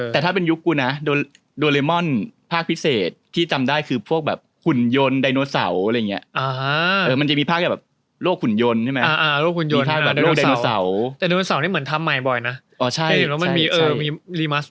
แต่ถ้าเป็นยุคกูนะโดเรมอนภาคพิเศษที่จำได้คือพวกแบบหุ่นยนต์ไดโนเสาร์อะไรอย่างนี้